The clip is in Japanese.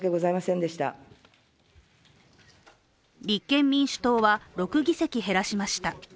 立憲民主党は６議席減らしました。